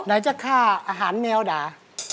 ไหนจะฆ่าอาหารแมวด่า